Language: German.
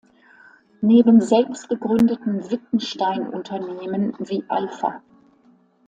Neben selbst gegründeten Wittenstein-Unternehmen wie "Alpha".